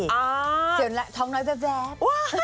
เสียวนี่แหละท้องน้อยแบบ